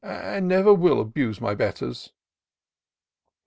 And never will abuse my betters."